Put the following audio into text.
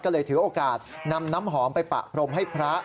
ก็เลยถือโอกาสนำน้ำหอมไปปะพรมให้พระ